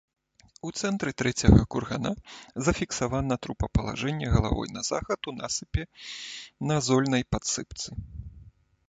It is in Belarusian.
У цэнтры трэцяга кургана зафіксавана трупапалажэнне галавой на захад у насыпе на зольнай падсыпцы.